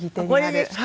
これですか？